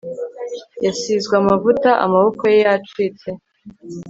yasizwe amavuta, amaboko ye yacitse